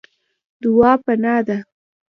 دعا پناه ده.